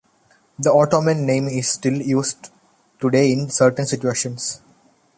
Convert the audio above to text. The Ottoman name is still used today in certain situations.